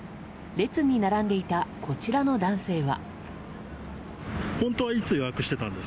列に並んでいたこちらの男性は。